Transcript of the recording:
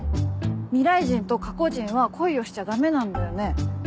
未来人と過去人は恋をしちゃだめなんだよね。